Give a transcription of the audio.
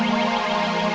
lo jogetnya aneh